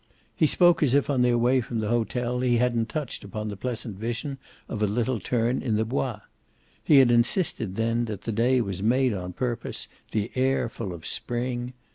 He spoke as if on their way from the hotel he hadn't touched upon the pleasant vision of a little turn in the Bois. He had insisted then that the day was made on purpose, the air full of spring.